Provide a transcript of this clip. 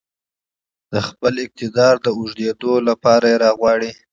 د خپل اقتدار د اوږدېدو لپاره يې راغواړي.